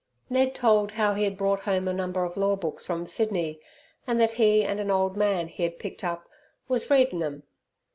Ned told how he had brought home a number of law books from Sydney, and that he and an old man he had picked up "wus readin' 'em".